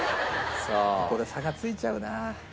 ここで差がついちゃうな。